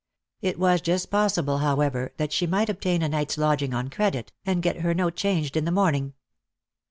It was just possible, however, that she might obtain a night's lodging on credit, and get her note changed in the morning.